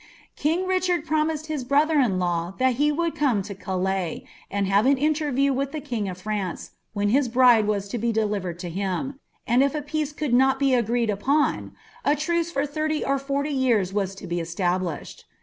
King Richard promised Ids brother in law thai lie ^.^ Calais, and have an interview with the king of France, 'a was to he delivered to him; and if a peace could nm be ;i^ truce for thirty or forty years was to be established.